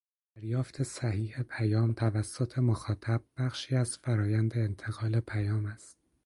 دریافت صحیح پیام توسط مخاطب بخشی از فرآیند انتقال پیام است